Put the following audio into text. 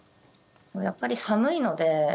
やっぱり寒いので